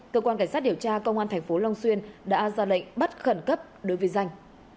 cơ quan cảnh sát điều tra công an thành phố long xuyên đã ra lệnh bắt khẩn cấp đối với danh